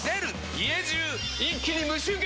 家中一気に無臭化！